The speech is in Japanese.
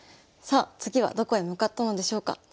さあ次はどこへ向かったのでしょうか。